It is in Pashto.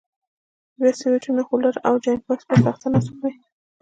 بیا سویچونه، هولډر او جاینټ بکس پر تخته نصب کړئ.